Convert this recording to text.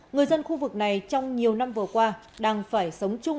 người dân khu vực này trong nhiều năm vừa qua đang phải sống chung